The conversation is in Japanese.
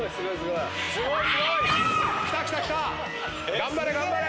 頑張れ頑張れ！